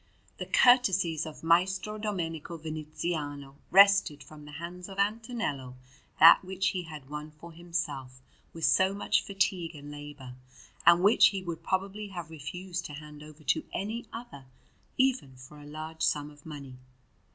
The courtesies of Maestro Domenico Viniziano wrested from the hands of Antonello that which he had won for himself with so much fatigue and labour, and which he would probably have refused to hand over to any other even for a large sum of money.